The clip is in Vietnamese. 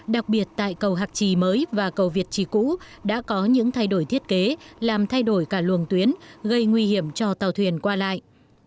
đặc biệt tại cầu hạc trì mới và cầu việt trì cũ đã có những thay đổi thiết kế làm thay đổi cả luồng tuyến gây nguy hiểm cho tàu thuyền qua lại